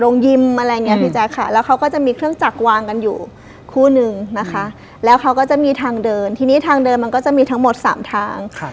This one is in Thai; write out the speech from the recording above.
ยิมอะไรอย่างนี้พี่แจ๊คค่ะแล้วเขาก็จะมีเครื่องจักรวางกันอยู่คู่นึงนะคะแล้วเขาก็จะมีทางเดินทีนี้ทางเดินมันก็จะมีทั้งหมด๓ทาง